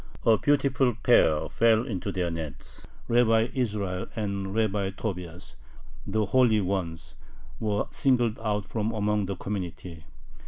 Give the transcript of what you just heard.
A beautiful pair fell into their nets: Rabbi Israel and Rabbi Tobias, the holy ones, were singled out from among the community.